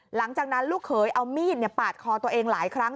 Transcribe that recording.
หลังจากนั้นลูกเขยเอามีดปาดคอตัวเองหลายครั้ง